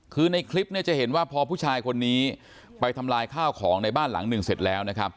คือในคลิปเนี่ยจะเห็นว่าพอผู้ชายคนนี้ไปทำลายข้าวของในบ้านหลังหนึ่งเสร็จแล้วนะครับ